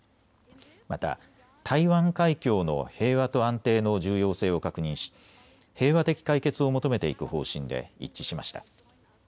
また、台湾海峡の平和と安定の重要性を確認し平和的解決を求めていく方針で一致しました。